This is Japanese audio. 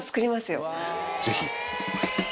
ぜひ。